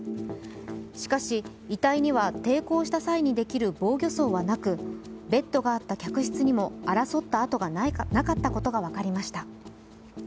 しかし、遺体には抵抗した際にできる防御創はなくベッドがあった客室にも争った跡がなかったことが分かりました。